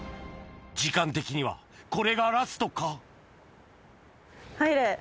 時間的にはこれがラストか入れ。